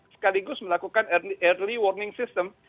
sekaligus melakukan early warning system